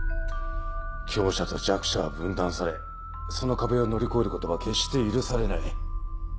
強者と弱者は分断されその壁を乗り越えることは決して許されない。